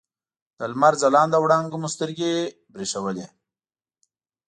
د لمر ځلانده وړانګو مو سترګې برېښولې.